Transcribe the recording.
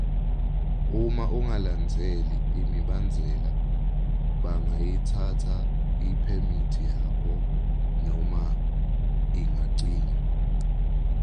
Uma ungalandzeli imibandzela bangayitsatsa iphemithi yakho noma ingacinywa.